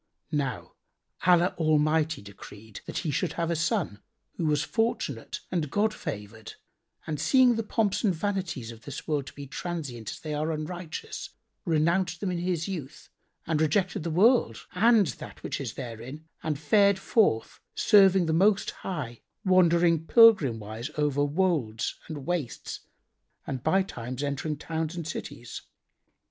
Now Allah Almighty decreed that he should have a son, who was fortunate and God favoured and seeing the pomps and vanities of this world to be transient as they are unrighteous, renounced them in his youth and rejected the world and that which is therein and fared forth serving the Most High, wandering pilgrim wise over words and wastes and bytimes entering towns and cities.